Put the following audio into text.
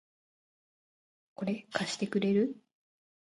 これ、貸してくれる？